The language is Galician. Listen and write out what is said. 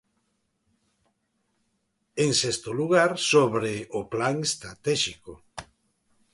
En sexto lugar, sobre o Plan estratéxico.